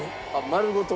丸ごと？